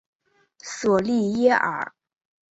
索利耶尔。